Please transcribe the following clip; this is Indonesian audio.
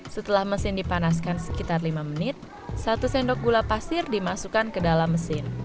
setelah mesin dipanaskan sekitar lima menit satu sendok gula pasir dimasukkan ke dalam mesin